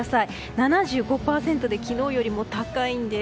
７５％で昨日よりも高いんです。